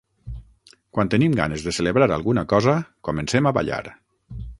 Quan tenim ganes de celebrar alguna cosa, comencem a ballar.